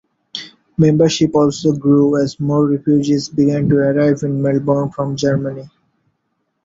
Membership also grew as more refugees began to arrive in Melbourne from Germany.